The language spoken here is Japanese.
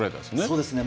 そうですね。